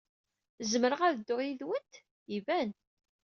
Zemreɣ ad dduɣ yid-went? Iban!